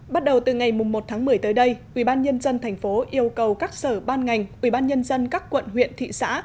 bắt đầu từ ngày một tháng một mươi tới đây ubnd tp yêu cầu các sở ban ngành ubnd các quận huyện thị xã